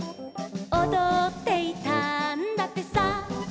「おどっていたんだってさ」